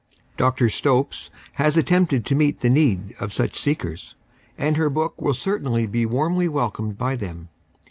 Dr. Stopes has attempted to meet the need of such seekers, and her book will certainly be warmly welcomed by them.